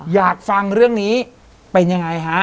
อยากฟังเรื่องนี้เป็นยังไงฮะ